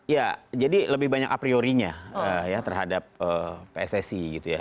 ya jadi lebih banyak a priorinya ya terhadap pssi gitu ya